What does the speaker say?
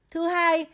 thứ hai u lành tính